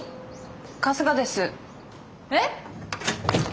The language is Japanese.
春日です。え！